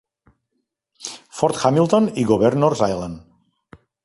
Fort Hamilton i Governor's Island.